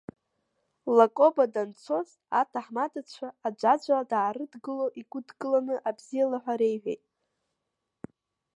Лакоба данцоз, аҭаҳмадацәа аӡәаӡәала даарыдгыло, игәыдкыланы абзиала ҳәа реиҳәеит.